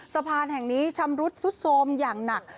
สะพานแห่งนี้ชำรุดซุดโทรมอย่างหนัก